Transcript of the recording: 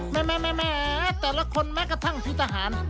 แม่แต่ละคนแม้กระทั่งพี่ทหาร